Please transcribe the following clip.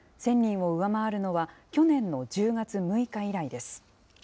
１０００人を上回るのは去年の１０月６日以来です。